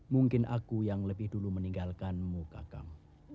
mungkin aku yang lebih dulu meninggalkanmu kakang